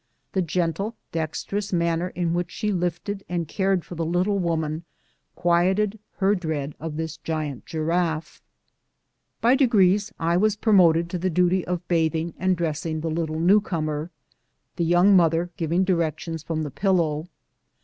The gentle, dexterous man ner in which she lifted and cared for the little woman quieted her dread of this great giraffe. By degrees I was promoted to the duty of bathing and dressing the little new comer, the young mother giving directions from the pillow.